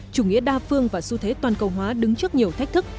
chủ nghĩa đa phương và xu thế toàn cầu hóa đứng trước nhiều thách thức